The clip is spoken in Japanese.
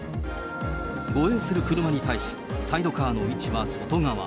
護衛する車に対し、サイドカーの位置は外側。